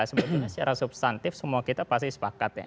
sebetulnya secara substantif semua kita pasti sepakat ya